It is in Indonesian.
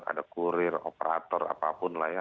ada kurir operator apapun lah ya